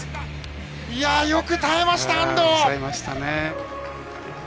いや、よく耐えました、安藤。